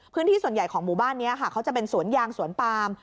พื้นที่ส่วนใหญ่ของหมู่บ้านนี้ค่ะเขาจะเป็นสวนยางสวนปาม